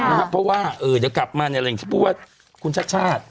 อ่าเพราะว่าเออเดี๋ยวกลับมาเนี้ยอะไรอย่างงี้พูดว่าคุณชาติ